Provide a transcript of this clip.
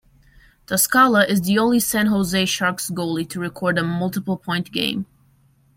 Toskala is the only San Jose Sharks goalie to record a multiple point game.